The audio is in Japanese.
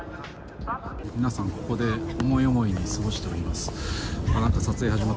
皆さん、ここで思い思いに過ごしています。